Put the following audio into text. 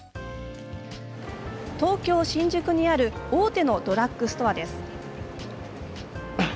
東京・新宿にある大手のドラッグストアです。